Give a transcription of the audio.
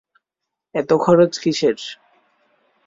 এতে খরচ কিসের?